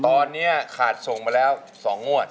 ตอนนี้ขาดส่งมาแล้ว๒งวด